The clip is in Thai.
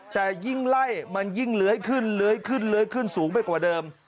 แต่ยิ่งไล่มันยิ่งเลื้อยขึ้นเลื้อยขึ้นเลื้อยขึ้นสูงไปกว่าเดิม